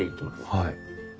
はい。